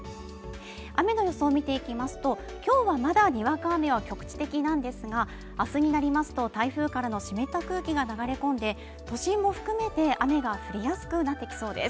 雨の予想を見ていきますと今日はまだにわか雨は局地的なんですが明日になりますと台風からの湿った空気が流れ込んで都心も含めて雨が降りやすくなってきそうです